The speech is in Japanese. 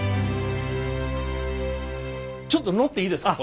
ちょっと乗っていいですか？